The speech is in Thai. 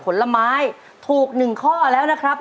ลักษณ์ตอบ